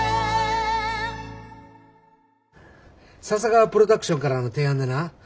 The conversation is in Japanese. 笹川プロダクションからの提案でな。